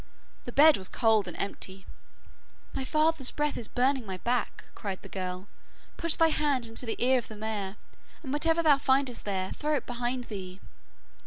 The bed was cold and empty! 'My father's breath is burning my back,' cried the girl, 'put thy hand into the ear of the mare, and whatever thou findest there, throw it behind thee.